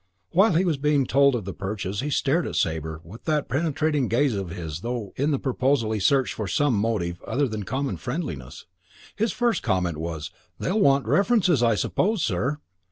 While he was being told of the Perches he stared at Sabre with that penetrating gaze of his as though in the proposal he searched for some motive other than common friendliness. His first comment was, "They'll want references, I suppose, sir?"